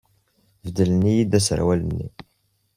Beddlen-iyi-d aserwal-nni.